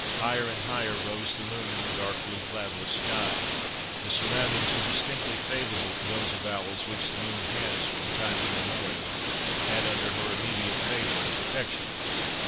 Higher and higher rose the moon in the dark blue, cloudless sky—the surroundings were distinctly favourable to those avowals which the moon has, from time immemorial, had under her immediate favour and protection.